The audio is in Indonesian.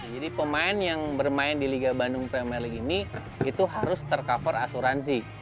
pemain yang bermain di liga bandung premier league ini itu harus tercover asuransi